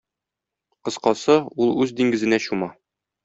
Кыскасы, ул үз диңгезенә чума.